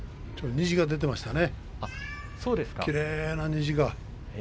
虹が出ていましたね。